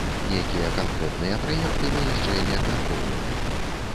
Нейкія канкрэтныя праекты мы яшчэ не абмяркоўвалі.